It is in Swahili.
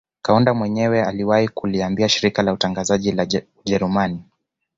Kaunda mwenyewe aliwahi kuliambia shirika la utangazaji la Ujerumani